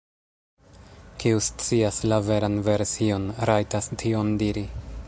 Kiu scias la veran version, rajtas tion diri.